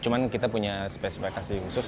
cuma kita punya spesifikasi khusus